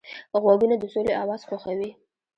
غوږونه د سولې اواز خوښوي